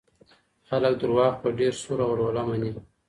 خلګ دروغ په ډیر سور او ولوله مني.